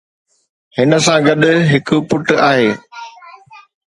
هن سان گڏ هڪ پٽ آهي.